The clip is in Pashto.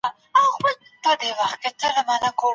سالم خواړه د ناروغۍ مخه نیسي.